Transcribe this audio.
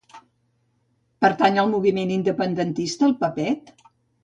Pertany al moviment independentista el Pepet?